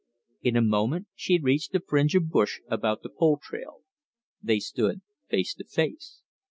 In a moment she had reached the fringe of brush about the pole trail. They stood face to face.